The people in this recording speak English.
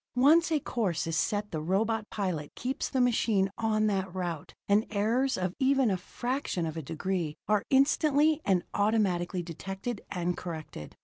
Once a course is set the robot pilot keeps the machine on that route and errors of even a fraction of a degree are instantly and automatically detected and corrected.